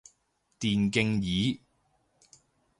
電競椅